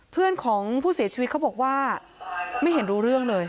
เพื่อนของผู้เสียชีวิตเขาบอกว่าไม่เห็นรู้เรื่องเลย